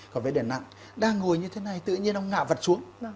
còn vấn đề nặng đang ngồi như thế này tự nhiên ông ngạ vật xuống